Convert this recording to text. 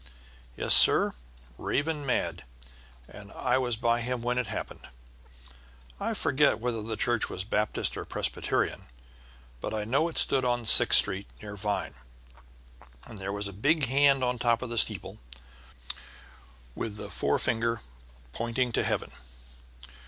"Yes, sir, raving mad, and I was by him when it happened. I forget whether the church was Baptist or Presbyterian, but I know it stood on Sixth Street, near Vine, and there was a big hand on top of the steeple, with the forefinger pointing to heaven.